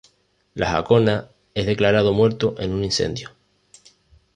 Lo Jacona es declarado muerto en un incendio.